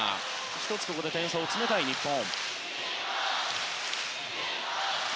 １つここで点差を詰めたい日本。